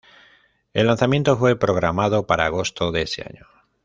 El lanzamiento fue programado para agosto de ese año.